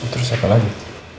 terus apa lagi